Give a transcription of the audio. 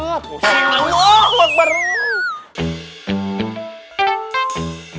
eh lu lok bursi